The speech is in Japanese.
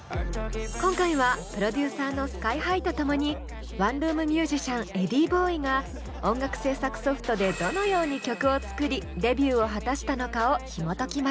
今回はプロデューサーのＳＫＹ−ＨＩと共にワンルーム☆ミュージシャンｅｄｈｉｉｉｂｏｉが音楽制作ソフトでどのように曲を作りデビューを果たしたのかをひもときます。